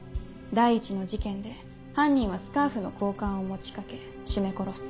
第一の事件で犯人はスカーフの交換を持ち掛け絞め殺す。